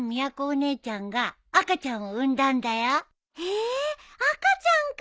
ええ赤ちゃんか。